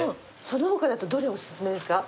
その他だとどれお薦めですか？